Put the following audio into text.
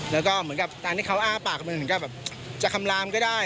แล้วก็เหมือนกับการที่เขาอ้าปากมันเหมือนกับแบบจะคำลามก็ได้